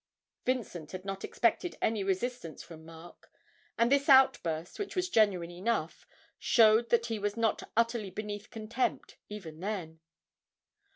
Vincent had not expected any resistance from Mark, and this outburst, which was genuine enough, showed that he was not utterly beneath contempt, even then.